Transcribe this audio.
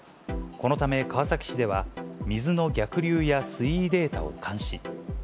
このため、川崎市では水の逆流や水位データを監視。